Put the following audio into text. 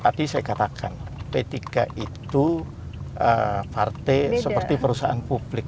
tadi saya katakan p tiga itu partai seperti perusahaan publik